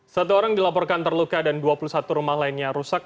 satu orang dilaporkan terluka dan dua puluh satu rumah lainnya rusak